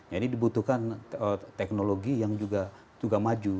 jadi dibutuhkan teknologi yang juga maju